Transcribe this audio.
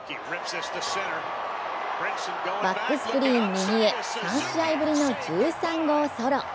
バックスクリーン右へ３試合ぶりの１３号ソロ。